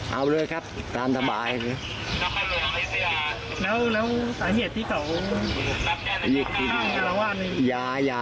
อ๋อเอาเลยครับตามสบาย